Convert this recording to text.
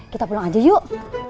kita pulang aja yuk